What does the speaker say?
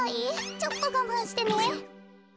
ちょっとがまんしてね。